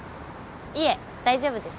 いえ大丈夫です。